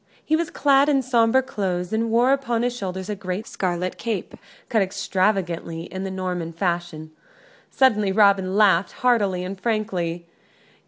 He was clad in sombre clothes, and wore upon his shoulders a great scarlet cape, cut extravagantly in the Norman fashion. Suddenly Robin laughed, heartily and frankly.